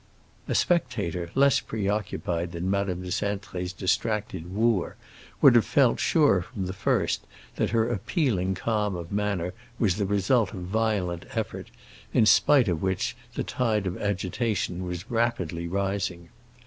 A spectator less preoccupied than Madame de Cintré's distracted wooer would have felt sure from the first that her appealing calm of manner was the result of violent effort, in spite of which the tide of agitation was rapidly rising.